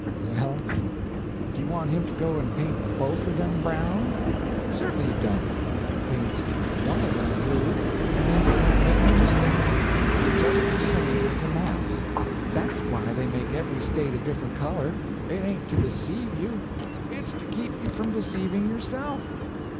Well, then, do you want him to go and paint both of them brown? Certainly you don't. He paints one of them blue, and then you can't make no mistake. It's just the same with the maps. That's why they make every State a different color; it ain't to deceive you, it's to keep you from deceiving yourself."